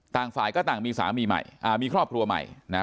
ต่างฝ่ายก็ต่างมีสามีใหม่อ่ามีครอบครัวใหม่นะฮะ